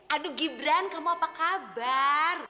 aduh gibran kamu apa kabar